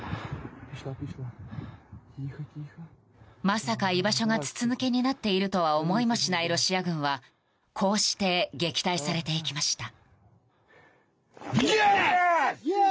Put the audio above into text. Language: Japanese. まさか居場所が筒抜けになっているとは思いもしないロシア軍はこうして撃退されていきました。